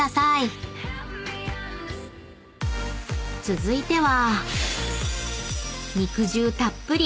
［続いては］